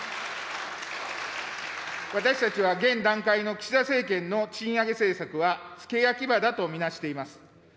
私たちは、現段階の岸田政権の賃上げ政策は付け焼き刃だと見なしています。